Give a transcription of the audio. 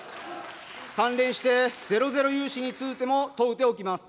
関連してゼロゼロ融資についても問うておきます。